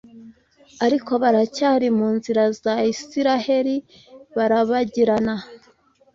Ariko baracyari mu nzira za Isiraheli barabagirana